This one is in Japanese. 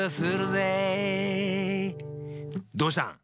どうしたん？